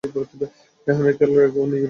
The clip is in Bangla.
রেহানের খেয়াল রেখো এবং নিজের।